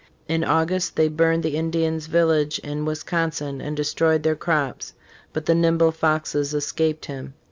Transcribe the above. In August, they burned the Indians' village in Wisconsin and de stroyed their crops, but the nimble Foxes escaped him.